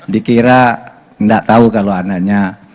dikira tidak tahu kalau anaknya